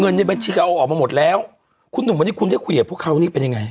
ในบัญชีก็เอาออกมาหมดแล้วคุณหนุ่มวันนี้คุณได้คุยกับพวกเขานี่เป็นยังไง